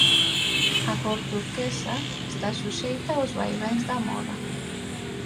A cor turquesa está suxeita aos vaivéns da moda.